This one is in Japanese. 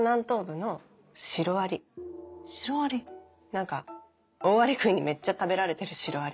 何かオオアリクイにめっちゃ食べられてるシロアリ。